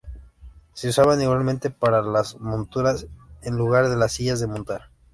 Se usaban igualmente para las monturas en lugar de las sillas de montar.